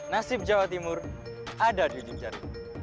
nasib jawa timur ada di ujung jari